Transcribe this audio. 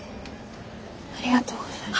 ありがとうございます。